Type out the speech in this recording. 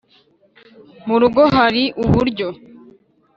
mu rugo, hari uburyo